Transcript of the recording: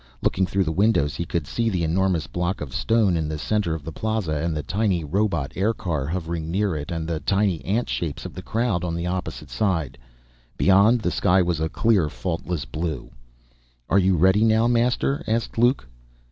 Looking through the windows, He could see the enormous block of stone in the center of the plaza, and the tiny robot aircar hovering near it, and the tiny ant shapes of the crowd on the opposite side. Beyond, the sky was a clear, faultless blue. "Are you ready now, Master?" asked Luke.